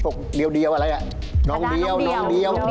พวกเดี๋ยวอะไรนั่น